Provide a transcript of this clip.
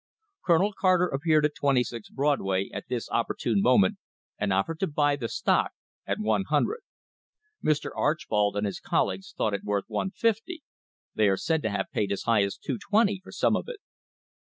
Colonel Carter appeared at 26 Broad way at this opportune moment and offered to buy the stock at 100. Mr. Archbold and his colleagues thought it worth 150. (They are said to have paid as high as 220 for some of it.)